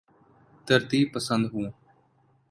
ترتیب پسند ہوں